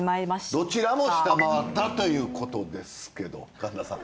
どちらも下回ったということですけど神田さん。